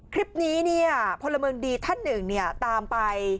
คลิปนี้เนี่ยพลเมืองดีท่านหนึ่งตามไป